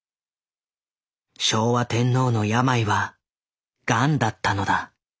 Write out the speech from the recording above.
昭和天皇の病はガンだったのだ。